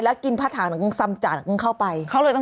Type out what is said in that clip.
แล้วกินผ้าพระห่างตรงซัมตระตรงเข้าไป